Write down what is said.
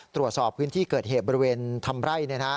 ตรวจสอบพื้นที่เกิดเหตุบริเวณทำไร่